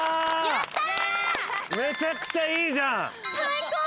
・やったー！